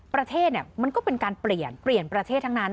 ประเทศมันก็เป็นการเปลี่ยนเปลี่ยนประเทศทั้งนั้น